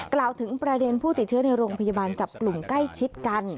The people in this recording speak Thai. กล่าวถึงประเด็นผู้ติดเชื้อในโรงพยาบาลจับกลุ่มใกล้ชิดกัน